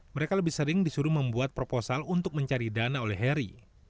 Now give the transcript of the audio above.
mereka lebih sering disuruh membuat proposal untuk mencari dana oleh harry